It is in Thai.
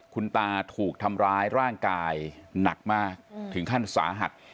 คุณตาถูกทำร้ายร่างกายหนักมากถึงขั้นสาหัส